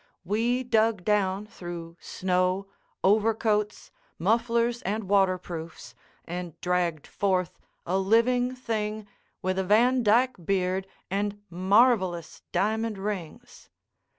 We dug down through snow, overcoats, mufflers, and waterproofs, and dragged forth a living thing with a Van Dyck beard and marvellous diamond rings.